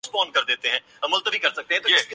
ایک بات قابل غور ہے۔